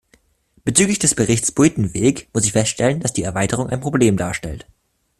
Bezüglich des Berichts Buitenweg muss ich feststellen, dass die Erweiterung ein Problem darstellt.